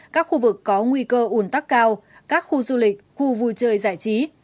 các khu vực có nguy cơ ủn tắc cao các khu du lịch khu vui chơi giải trí